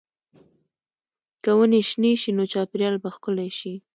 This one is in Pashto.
که ونې شنې شي، نو چاپېریال به ښکلی شي.